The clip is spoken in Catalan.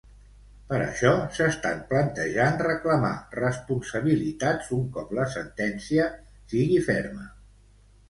Per això, s'estan plantejant reclamar responsabilitats un cop la sentència sigui ferma.